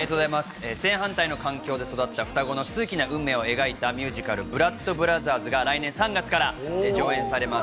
正反対の環境で育った双子の数奇な運命を描いたミュージカル『ブラッド・ブラザーズ』が来年３月から上演されます。